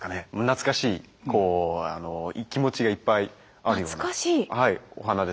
懐かしいこう気持ちがいっぱいあるような。